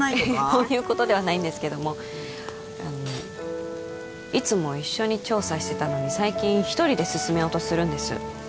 そういうことではないんですけどもあのいつも一緒に調査してたのに最近一人で進めようとするんです